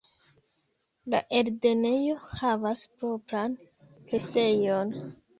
La eldonejo havas propran presejon.